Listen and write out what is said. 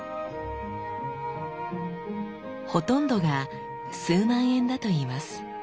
ほとんどが数万円だといいます。